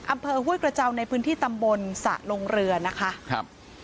อำเภอห้วยกระเจ้าในพื้นที่ตำบลสะลงเรือนะคะ